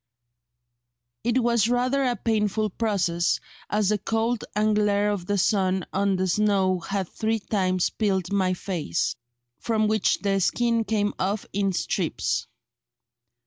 It was rather a painful process, as the cold and glare of the sun on the snow had three times peeled my face, from which the skin came off in strips."